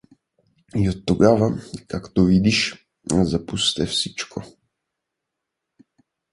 И от тогава, както видиш, запусте всичко.